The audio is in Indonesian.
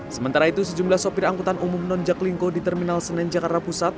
sementara itu sejumlah sopir angkutan umum nonjaklingko di terminal senin jakarta pusat